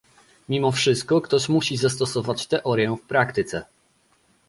Mimo wszystko ktoś musi zastosować teorię w praktyce